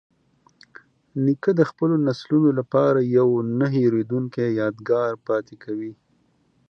نیکه د خپلو نسلونو لپاره یوه نه هیریدونکې یادګار پاتې کوي.